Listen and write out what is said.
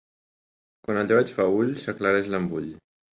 Quan el llebeig fa ull, s'aclareix l'embull.